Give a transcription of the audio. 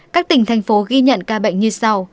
các tỉnh thành phố ghi nhận ca bệnh như sau